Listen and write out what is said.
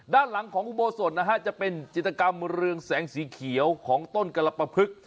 ด้านหลังของอุโบสถนะฮะจะเป็นจิตกรรมเรืองแสงสีเขียวของต้นกรปภึก